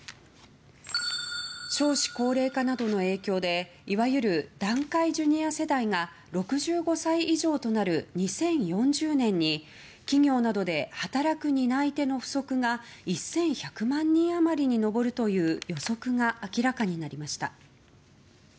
少子高齢化などの影響でいわゆる団塊ジュニア世代が６５歳以上となる２０４０年に企業などで働く担い手の不足が１１００万人余りに上るという予測が明らかになりました。